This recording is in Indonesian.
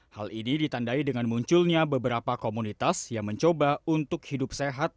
hal ini ditandai dengan munculnya beberapa komunitas yang mencoba untuk hidup sehat